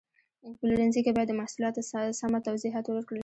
په پلورنځي کې باید د محصولاتو سمه توضیحات ورکړل شي.